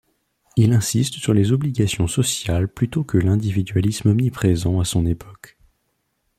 Il insiste sur les obligations sociales plutôt que l'individualisme omniprésent à son époque.